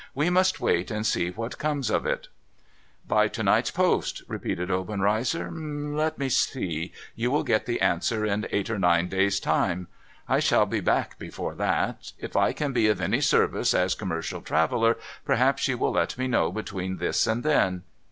' We must wait, and see what comes of it.' ' By to night's post,' repeated Obenreizer. ' Let me see. You will get the answer in eight or nine days* time. I shall be back before that. If I can be of any service, as commercial traveller, perhaps you will let me know between this and then.